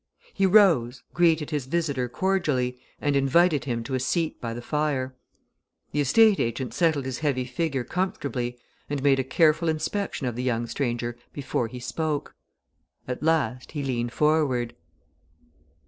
He rose, greeted his visitor cordially, and invited him to a seat by the fire. The estate agent settled his heavy figure comfortably, and made a careful inspection of the young stranger before he spoke. At last he leaned forward.